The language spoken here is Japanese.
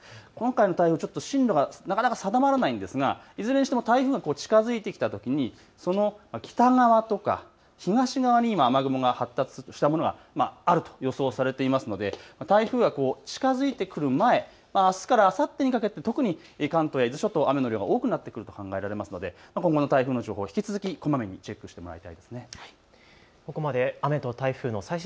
今回、進路が定まらないんですがいずれも台風が近づいてきたときにその北側とか東側に雨雲が発達したものがあると予想されているので台風が近づいてくる前、あすからあさってにかけて特に関東や伊豆諸島、雨の量が多くなると考えられますので今後の台風の情報、引き続きこまめにチェックしてください。